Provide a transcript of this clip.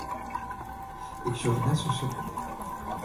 Ik sjoch it net sa sitten.